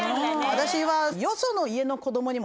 私は。